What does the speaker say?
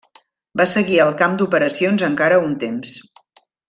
Va seguir al camp d'operacions encara un temps.